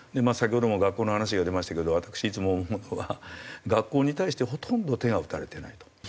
先ほども学校の話が出ましたけど私いつも思うのは学校に対してほとんど手が打たれてないと。